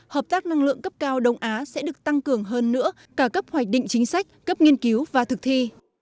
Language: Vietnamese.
hợp tác năng lượng cấp cao đông á sẽ được tăng cường hơn nữa cả cấp hoạch định chính sách cấp nghiên cứu và thực thi